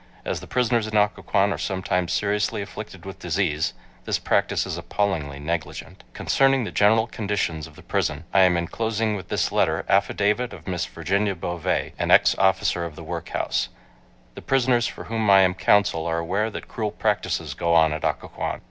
As the prisoners in Occoquan are sometimes seriously afflicted with disease, this practice is appallingly negligent. Concerning the general conditions of the person, I am enclosing with this letter, affidavit of Mrs. Virginia Bovee, an ex officer of the workhouse .... The prisoners for whom I am counsel are aware that cruel practices go on at Occoquan.